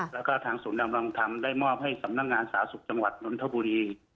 แล้วก็ทางศูนย์ดำรงธรรมได้มอบให้สำนักงานสาธารณสุขจังหวัดนนทบุรี